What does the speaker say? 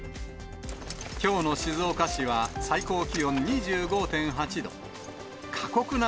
きょうの静岡市は最高気温２５．８度。